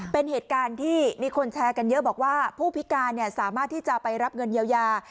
เป็นเหตุการณ์ที่มีคนแชร์กันเยอะบอกว่าผู้พิการสามารถที่จะไปรับเงินเยียวยา